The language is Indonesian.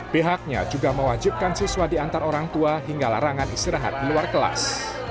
pihaknya juga mewajibkan siswa diantar orang tua hingga larangan istirahat di luar kelas